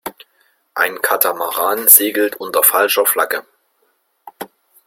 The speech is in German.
Ein Katamaran segelt unter falscher Flagge.